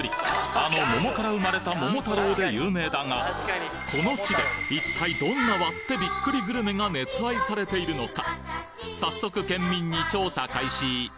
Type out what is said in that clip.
あの桃から生まれた桃太郎で有名だがこの地で一体どんな割ってビックリグルメが熱愛されているのか。